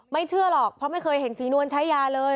เชื่อหรอกเพราะไม่เคยเห็นศรีนวลใช้ยาเลย